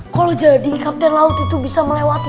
kalau jadi kapten laut itu bisa melewati